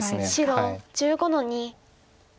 白１５の二。